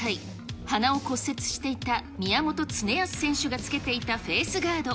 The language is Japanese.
鼻を骨折していた宮本恒靖選手がつけていたフェースガード。